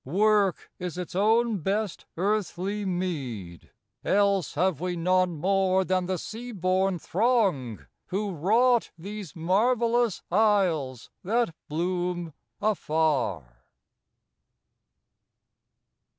Work is its own best earthly meed, Else have we none more than the sea born throng Who wrought these marvellous isles that bloom afar.